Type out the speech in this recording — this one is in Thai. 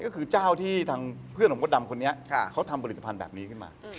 ก็คือเจ้าที่เพื่อนผมผู้ดำคนนี้เค้าทำบริษัทแบบนี้ขึ้นมา